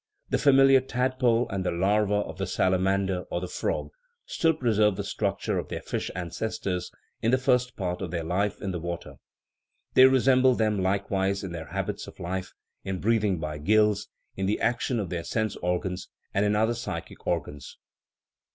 The familiar tadpole and the larva of the salamander or the frog still preserve the structure of their fish ancestors in the first part of their life in the water ; they resemble them, likewise, in their habits of life, in breathing by gills, in the action of their sense organs, and in other psychic organs.